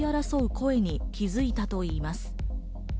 声に気づいたといいます。